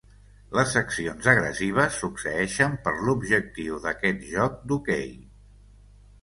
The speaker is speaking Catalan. Les accions agressives succeeixen per l'objectiu d'aquest joc d'hoquei.